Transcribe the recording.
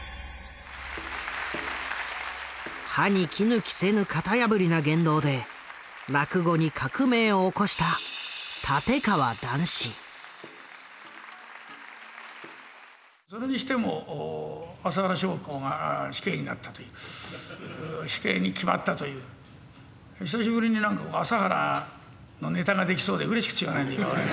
歯に衣着せぬ型破りな言動で落語に革命を起こしたそれにしても麻原彰晃が死刑になったという死刑に決まったという久しぶりになんか麻原のネタができそうでうれしくてしょうがないんだ